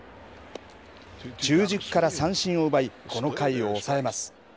中軸から三振を奪いこの回を抑えます。